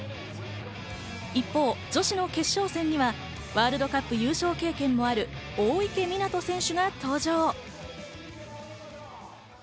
一方、女子の決勝戦にはワールドカップ優勝経験もある大池水杜選手が登場。